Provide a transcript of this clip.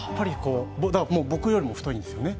僕よりも太いんですよね。